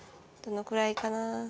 どのくらいかな？